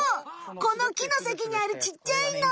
この木のさきにあるちっちゃいの。